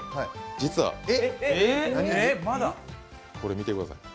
実は、これ見てください。